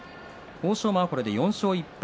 欧勝馬は、これで４勝１敗。